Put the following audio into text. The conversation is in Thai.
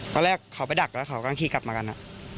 ตอนแรกเขาไม่ได้มากับสองคันไหมครับ